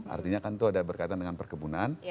artinya kan itu ada berkaitan dengan perkebunan